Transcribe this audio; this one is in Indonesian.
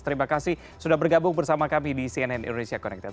terima kasih sudah bergabung bersama kami di cnn indonesia connected